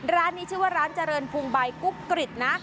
ร้านนี้ชื่อว่าร้านเจริญพุงใบกุ๊กกริจนะ